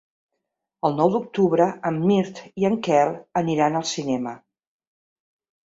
El nou d'octubre en Mirt i en Quel aniran al cinema.